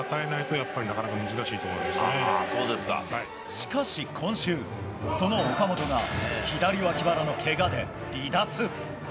しかし今週、その岡本が左わき腹のけがで離脱。